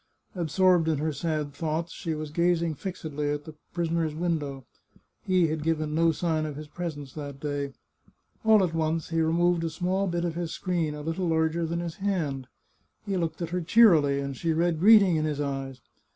Absorbed in her sad thoughts, she was gazing fixedly at the prisoner's window. He had given no sign of his presence that day. All at once he re moved a small bit of his screen, a little larger than his hand. He looked at her cheerily, and she read greeting in his eyes.